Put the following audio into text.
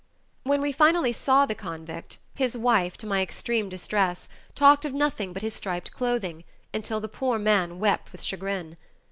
When we finally saw the convict, his wife, to my extreme distress, talked of nothing but his striped clothing, until the poor man wept with chagrin.